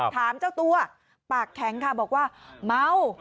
ถามเจ้าตัวปากแข็งค่ะบอกว่าเมา